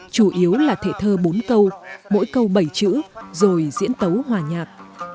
chủ yếu là thể thơ bốn câu mỗi câu bảy chữ rồi diễn tấu hòa nhạc